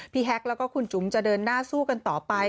แฮกแล้วก็คุณจุ๋มจะเดินหน้าสู้กันต่อไป